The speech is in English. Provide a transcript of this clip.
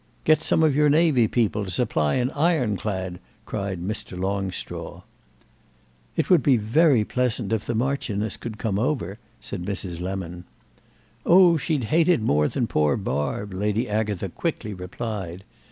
"Get some of your navy people to supply an ironclad!" cried Mr. Longstraw. "It would be very pleasant if the Marchioness could come over," said Mrs. Lemon. "Oh she'd hate it more than poor Barb," Lady Agatha quickly replied.